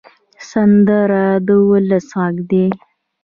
سندره د ولس غږ دی